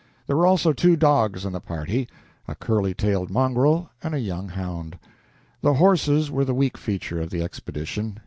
There were also two dogs in the party a curly tailed mongrel and a young hound. The horses were the weak feature of the expedition.